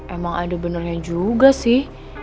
emang ada benernya juga sih